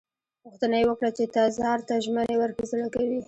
غوښتنه یې وکړه چې تزار ته ژمنې ور په زړه کړي.